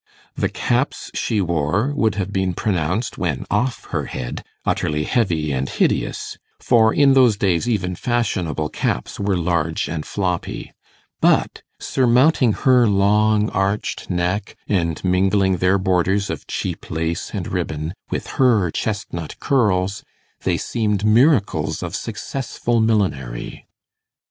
The caps she wore would have been pronounced, when off her head, utterly heavy and hideous for in those days even fashionable caps were large and floppy; but surmounting her long arched neck, and mingling their borders of cheap lace and ribbon with her chestnut curls, they seemed miracles of successful millinery.